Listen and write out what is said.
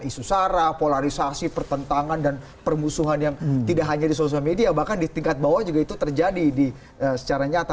isu sara polarisasi pertentangan dan permusuhan yang tidak hanya di sosial media bahkan di tingkat bawah juga itu terjadi secara nyata